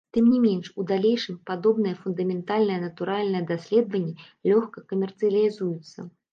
Тым не менш, у далейшым падобныя фундаментальныя натуральныя даследаванні лёгка камерцыялізуюцца.